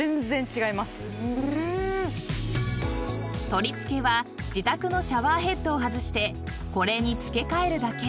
［取り付けは自宅のシャワーヘッドを外してこれに付け替えるだけ］